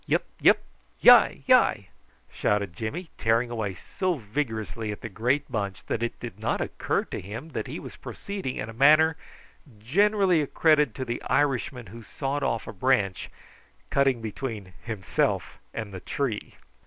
"Yup, yup! hyi, hyi!" shouted Jimmy, tearing away so vigorously at the great bunch that it did not occur to him that he was proceeding in a manner generally accredited to the Irishman who sawed off a branch, cutting between himself and the tree.